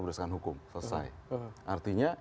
berdasarkan hukum selesai artinya